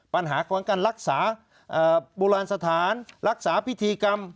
ปัญหาของการรักษาโบราณสถานรักษาพิธีกรรม